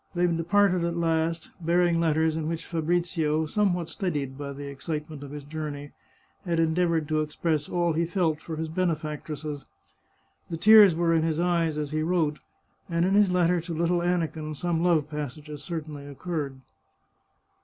They departed at last, bearing letters in which Fabrizio, somewhat steadied by the excitement of his journey, had endeavoured to express all he felt for his benefactresses. The tears were in his eyes as he wrote, and in his letter to little Aniken some love passages certainly occurred.